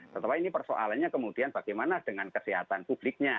tetapi ini persoalannya kemudian bagaimana dengan kesehatan publiknya